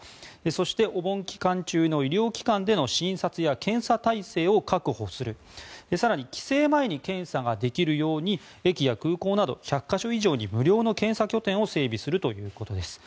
そして、お盆期間中の医療機関での診察や検査体制を確保する更に帰省前に検査ができるように駅や空港など１００か所以上に無料の検査拠点を整備するということです。